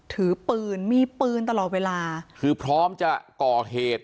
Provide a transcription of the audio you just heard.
ถือปืนมีปืนตลอดเวลาคือพร้อมจะก่อเหตุ